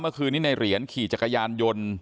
เมื่อคืนนี้ในเหรียญขี่จักรยานยนต์